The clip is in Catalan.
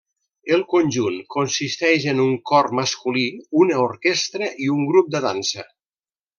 El conjunt consisteix en un cor masculí, una orquestra i un grup de dansa.